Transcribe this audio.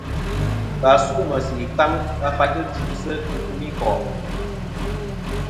Và su meysì ɨkfaŋ va faytɨ kfɨsɨ ikunikò'.